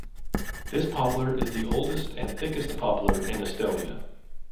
This poplar is the oldest and thickest poplar in Estonia.